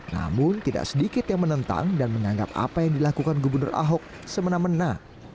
namun tidak sedikit yang menentang dan menganggap apa yang dilakukan gubernur ahok semena mena